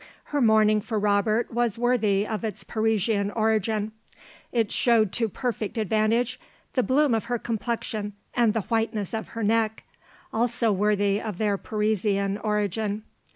Her mourning for Robert was worthy of its Parisian origin; it showed to perfect advantage the bloom of her complexion and the whiteness of her neck also worthy of their Parisian origin.